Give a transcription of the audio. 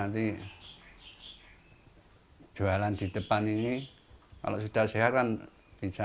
jualan kemudian ini hanya principle orang atau ini sekali anda cuba tunjukkan cara hidup keadaan bimbing saya